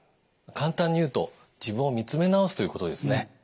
簡単に言うと自分を見つめ直すということですね。